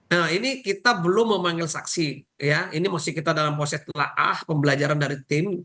nah ini kita belum memanggil saksi ya ini masih kita dalam proses telah ah pembelajaran dari tim